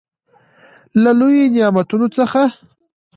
له لويو نعمتونو څخه دى.